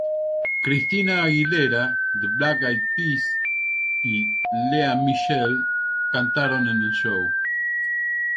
Christina Aguilera, The Black Eyed Peas y Lea Michele cantaron en el show.